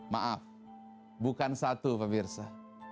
maaf bukan satu pemirsa